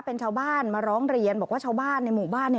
เป็นชาวบ้านมาร้องเรียนบอกว่าชาวบ้านในหมู่บ้าน